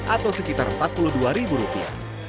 atau sekitar empat puluh dua ribu rupiah